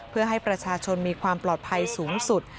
เพื่อให้ประชาชนมีความปลอดภัยสูงสุด